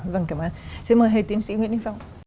vâng cảm ơn xin mời hệ tiến sĩ nguyễn đình phong